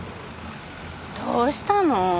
どうしたの？